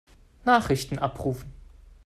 Nachrichten abrufen.